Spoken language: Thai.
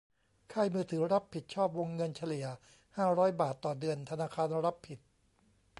ค่ายมือถือรับผิดชอบวงเงินเฉลี่ยห้าร้อยบาทต่อเดือน ธนาคารรับผิด